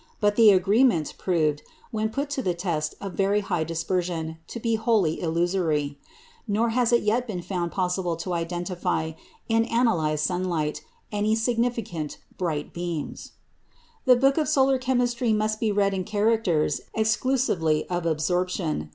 But the agreement proved, when put to the test of very high dispersion, to be wholly illusory. Nor has it yet been found possible to identify, in analysed sunlight, any significant bright beams. The book of solar chemistry must be read in characters exclusively of absorption.